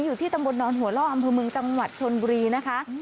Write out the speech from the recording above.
อยู่ที่ตำบลนอนหัวล่ออำเภอเมืองจังหวัดชนบุรีนะคะ